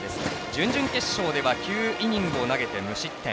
準々決勝では９イニングを投げて無失点。